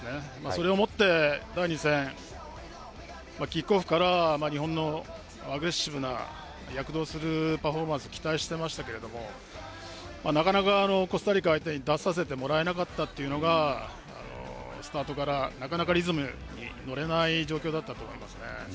それをもって、第２戦、キックオフから日本のアグレッシブな躍動するパフォーマンスを期待していましたけれども、なかなかコスタリカ相手に出させてもらえなかったというのが、スタートからなかなかリズムに乗れない状況だったと思いますね。